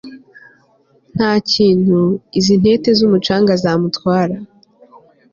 ntakintu, izi ntete zumucanga zamutwara